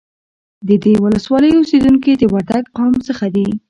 د دې ولسوالۍ اوسیدونکي د وردگ قوم څخه دي